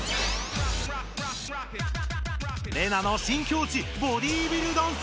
レナの新きょうちボディビルダンス！